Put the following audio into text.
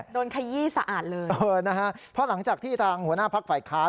ขยี้สะอาดเลยเออนะฮะเพราะหลังจากที่ทางหัวหน้าพักฝ่ายค้าน